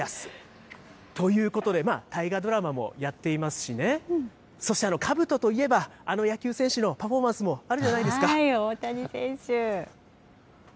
テーマは、徳川家康ということで、大河ドラマもやっていますしね、そしてかぶとといえば、あの野球選手のパフォーマンスもあるじゃ大谷選手。